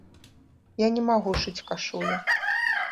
Я не магу шыць кашулі.